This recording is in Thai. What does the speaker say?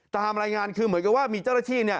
ตามรายงานคือเหมือนกับว่ามีเจ้าหน้าที่เนี่ย